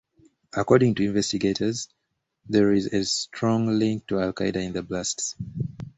According to investigators, there is no strong link to Al Qaeda in the blasts.